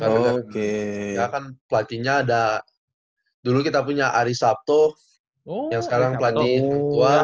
karena kan pelatihnya ada dulu kita punya ari sabto yang sekarang pelatih hang tua